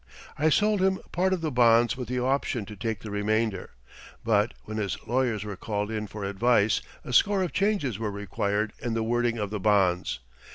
I sold him part of the bonds with the option to take the remainder; but when his lawyers were called in for advice a score of changes were required in the wording of the bonds.